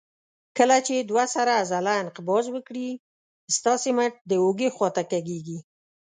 کله چې دوه سره عضله انقباض وکړي تاسې مټ د اوږې خواته کږېږي.